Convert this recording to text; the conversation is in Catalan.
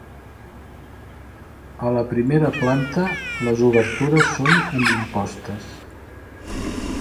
A la primera planta les obertures són amb impostes.